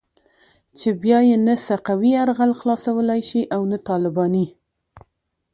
چې بيا يې نه سقوي يرغل خلاصولای شي او نه طالباني.